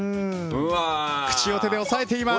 口元を手で押さえています！